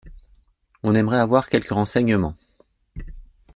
On aimerait avoir quelques renseignements.